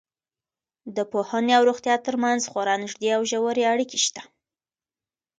د پوهنې او روغتیا تر منځ خورا نږدې او ژورې اړیکې شته.